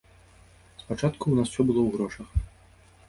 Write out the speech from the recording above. Спачатку ў нас усё было ў грошах.